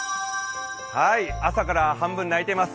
朝から半分泣いてます。